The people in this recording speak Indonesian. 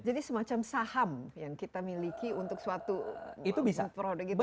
jadi semacam saham yang kita miliki untuk suatu produk gitu